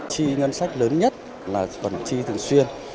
chi ngân sách lớn nhất là phần chi thường xuyên